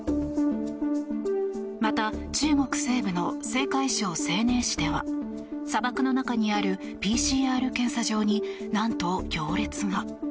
また、中国西部の青海省西寧市では砂漠の中にあるＰＣＲ検査場に何と行列が。